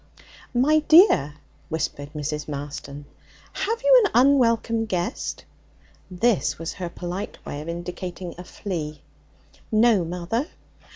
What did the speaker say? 'My dear,' whispered Mrs. Marston, 'have you an unwelcome guest?' This was her polite way of indicating a flea. 'No, mother.'